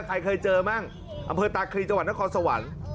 ใครเคยเจอมั่งอำเภอตาคลีจังหวัดนครสวรรค์